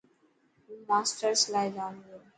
هون ماشرس لاءِ جائون پيو.